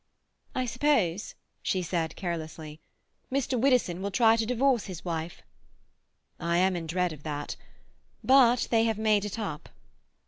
"I suppose," she said carelessly, "Mr. Widdowson will try to divorce his wife." "I am in dread of that. But they may have made it up."